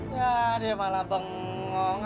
ya dia malah bengong